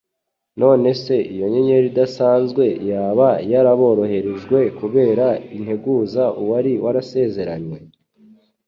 None se iyo nyenyeri idasanzwe yaba yarabohererejwe kubera integuza uwari warasezeranywe ?